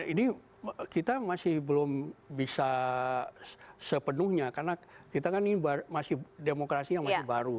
ini kita masih belum bisa sepenuhnya karena kita kan ini masih demokrasi yang masih baru